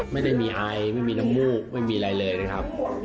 ไม่ได้มีไอไม่มีน้ำมูกไม่มีอะไรเลยนะครับ